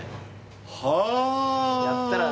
はあ。